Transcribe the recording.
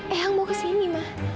ehang mau ke sini ma